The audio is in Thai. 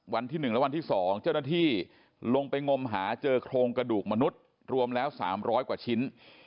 วันที่๑และวันที่๒เจ้าหน้าที่ลงไปงมหาเจอโครงกระดูกมนุษย์รวมแล้ว๓๐๐กว่าชิ้น